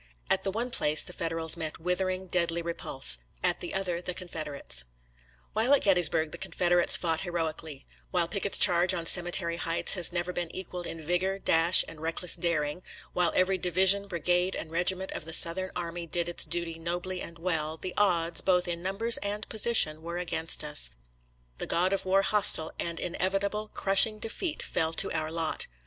At the one place the Federals met withering, deadly repulse — at the other, the Con federates. While at Gettysburg the Confederates fought heroically; while Pickett's charge on Cemetery Heights has never been equaled in vigor, dash, and reckless daring; while every division, bri gade, and regiment of the Southern army did its duty nobly and well, the odds, both in numbers and position, were against us — ^the God of War hostile, and inevitable, crushing defeat fell to our lot.